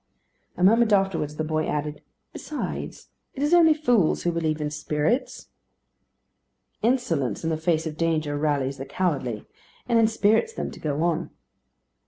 A moment afterwards the boy added: "Besides, it is only fools who believe in spirits." Insolence in the face of danger rallies the cowardly, and inspirits them to go on.